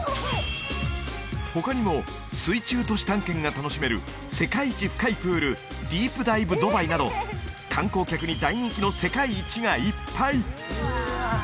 他にも水中都市探検が楽しめる世界一深いプールディープ・ダイブ・ドバイなど観光客に大人気の世界一がいっぱい！